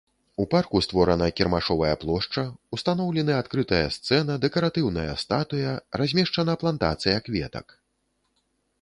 У парку створана кірмашовая плошча, ўстаноўлены адкрытая сцэна, дэкаратыўная статуя, размешчана плантацыя кветак.